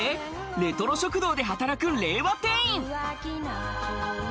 レトロ食堂で働く令和店員！